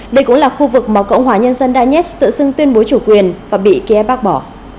đây cũng là khu vực mà cộng hòa nhân dân danetsk tự xưng tuyên bố chủ quyền và bị kiev bác bỏ